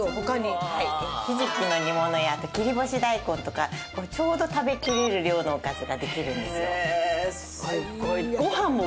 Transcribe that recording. ひじきの煮物や切り干し大根とかちょうど食べきれる量のおかずができるんですよ。